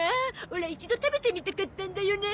オラ一度食べてみたかったんだよね